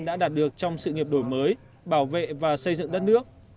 đã đạt được trong sự nghiệp đổi mới bảo vệ và xây dựng đất nước